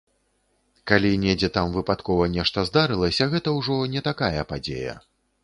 Калі недзе там выпадкова нешта здарылася, гэта ўжо не такая падзея.